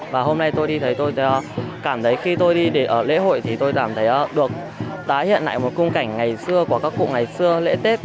và hôm nay tôi đi thấy tôi cảm thấy khi tôi đi để ở lễ hội thì tôi cảm thấy được tái hiện lại một khung cảnh ngày xưa của các cụ ngày xưa lễ tết